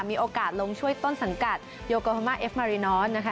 มีโอกาสลงช่วยต้นสังกัดโยโกฮามาเอฟมารินอนนะคะ